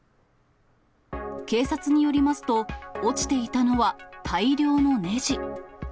警察によりますと、落ちていたのは、大量のねじ。